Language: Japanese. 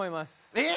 えっ！？